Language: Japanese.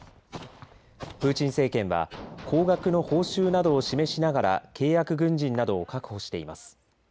プーチン政権は高額の報酬などを示しながら契約軍人などを確保しています。